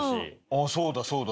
ああそうだそうだ。